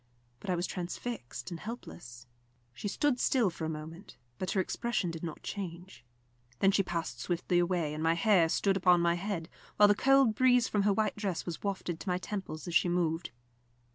But I was transfixed and helpless. She stood still for a moment, but her expression did not change. Then she passed swiftly away, and my hair stood up on my head, while the cold breeze from her white dress was wafted to my temples as she moved.